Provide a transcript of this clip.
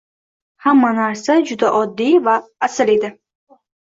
Hamma narsa juda oddiy va asl edi.